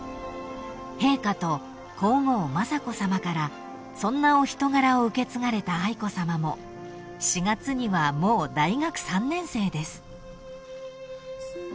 ［陛下と皇后雅子さまからそんなお人柄を受け継がれた愛子さまも４月にはもう大学３年生です］